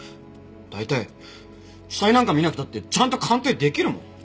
大体死体なんか見なくたってちゃんと鑑定出来るもん！